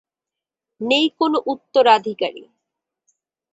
নেই কোন উত্তরাধিকারী।